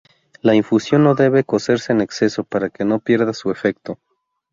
La infusión no debe cocerse en exceso para que no pierda su efecto.